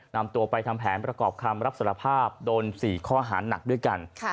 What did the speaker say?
นำตัวไปทำแผนประกอบคำรับสารภาพโดน๔ข้อหาหนักด้วยกัน